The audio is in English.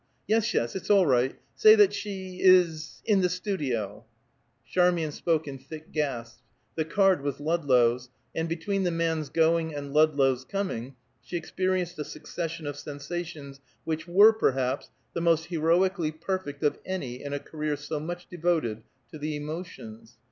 "Yes, yes; it's all right. Say that she is in the studio." Charmian spoke in thick gasps. The card was Ludlow's; and between the man's going and Ludlow's coming, she experienced a succession of sensations which were, perhaps, the most heroically perfect of any in a career so much devoted to the emotions.